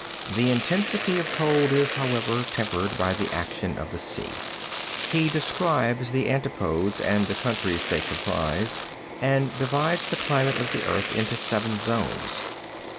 The intensity of cold, is however, tempered by the action of the sea. He describes the antipodes and the countries they comprise, and divides the climate of the earth into seven zones.